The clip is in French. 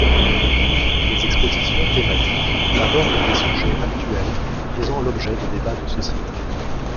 Les expositions thématiques abordent des sujets actuels faisant l'objet de débats de société.